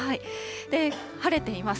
晴れています。